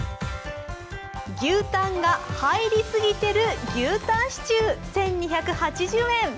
牛たんが入りすぎてる牛たんシチュー１２８０円。